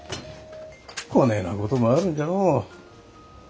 こねえなこともあるんじゃのう。